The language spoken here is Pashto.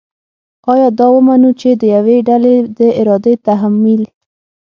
آیا دا ومنو چې د یوې ډلې د ارادې تحمیل